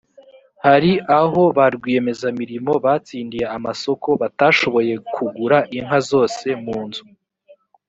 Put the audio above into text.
hari aho ba rwiyemezamirimo batsindiye amasoko batashoboye kugura inka zose munzu